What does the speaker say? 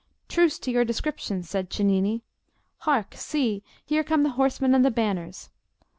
"Truce to your descriptions!" said Cennini. "Hark! see! Here come the horsemen and the banners.